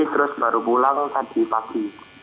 terus baru pulang saat di pakti